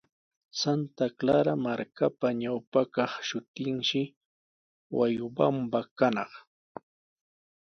Santa Clara markapa ñawpa kaq shutinshi Huayobamba kanaq.